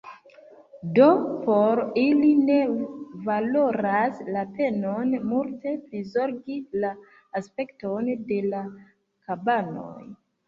Do, por ili ne valoras la penon multe prizorgi la aspekton de la kabanoj.